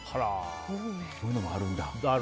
そういうのもあるんだ。